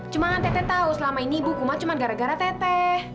cuman tete tau selama ini ibu kumat cuma gara gara tete